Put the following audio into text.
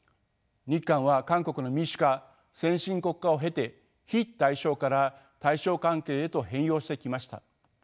日韓は韓国の民主化・先進国化を経て非対称から対称関係へと変容してきました。